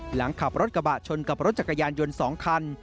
หลังขับรถกระบะชนกับรถจักรยานยนต์๒คัน